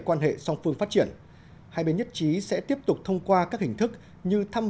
quan hệ song phương phát triển hai bên nhất trí sẽ tiếp tục thông qua các hình thức như thăm